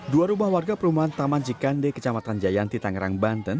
dua rumah warga perumahan taman cikande kecamatan jayanti tangerang banten